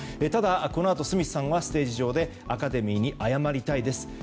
ただ、このあとスミスさんはステージ上でアカデミーに謝りたいです。